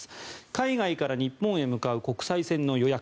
海外から日本へ向かう国際線の予約